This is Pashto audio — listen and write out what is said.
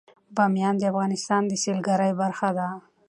بامیان د افغانستان د سیلګرۍ برخه ده.